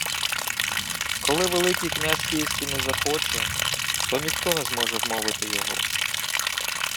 — Коли Великий князь київський не захоче, то ніхто не зможе вмовити його.